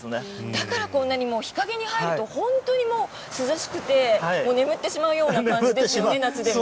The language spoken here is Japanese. だからこんなにも日陰に入ると本当に涼しくて眠ってしまうような感じですよね夏でも。